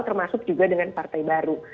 termasuk juga dengan partai baru